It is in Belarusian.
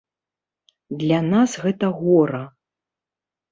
Для нас гэта гора.